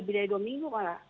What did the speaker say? lebih dari dua minggu malah